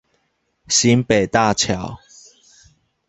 新北大橋